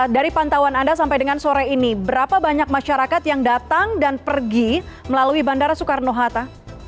dari pantauan anda sampai dengan sore ini berapa banyak masyarakat yang datang dan pergi melalui bandara soekarno hatta